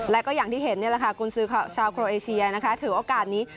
และอย่างที่เห็นกวนซื่อย่างชาวโครเอเชียถือโอกาสนี้